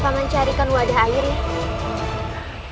paman carikan wadah airnya